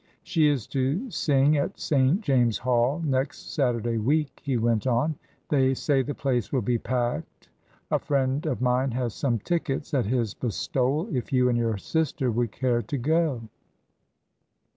"She is to sing at St. James' Hall next Saturday week," he went on. "They say the place will be packed. A friend of mine has some tickets at his bestowal if you and your sister would care to go."